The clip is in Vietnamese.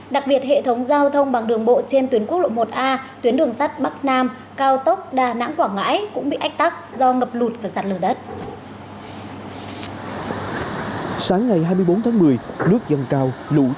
đặc biệt hệ thống giao thông bằng đường bộ trên tuyến quốc lộ một a tuyến đường sắt bắc nam cao tốc đà nẵng quảng ngãi cũng bị ách tắc do ngập lụt và sạt lở đất